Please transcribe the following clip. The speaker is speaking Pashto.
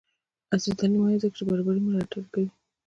عصري تعلیم مهم دی ځکه چې برابري ملاتړ کوي.